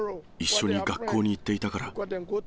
一緒に学校に行っていたから。